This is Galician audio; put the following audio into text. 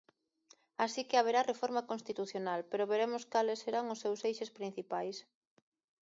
Así que haberá reforma constitucional, pero veremos cales serán os seus eixes principais.